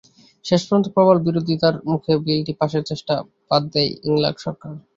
শেষ পর্যন্ত প্রবল বিরোধিতার মুখে বিলটি পাসের চেষ্টা বাদ দেয় ইংলাক সরকার।